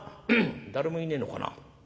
誰もいねえのかな？